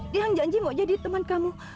tiang janji mau jadi teman kamu